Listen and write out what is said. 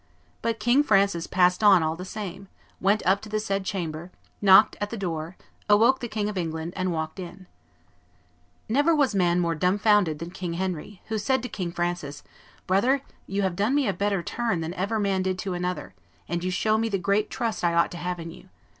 But King Francis passed on all the same, went up to the said chamber, knocked at the door, awoke the King of England, and walked in. [Illustration: Francis I. surprises Henry VIII. 44] Never was man more dumbfounded than King Henry, who said to King Francis, 'Brother, you have done me a better turn than ever man did to another, and you show me the great trust I ought to have in you.